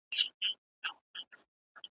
هره دښته يې ميوند دی `